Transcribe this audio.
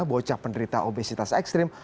bocah penderita obesitas ekstrim